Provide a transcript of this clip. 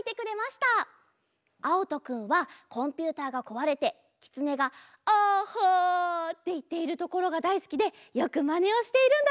あおとくんはコンピューターがこわれてきつねが「ＡＨＨＡ」っていっているところがだいすきでよくまねをしているんだって！